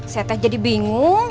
seteh jadi bingung